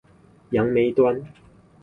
楊梅端